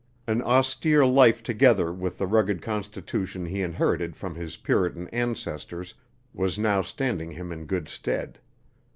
An austere life together with the rugged constitution he inherited from his Puritan ancestors was now standing him in good stead.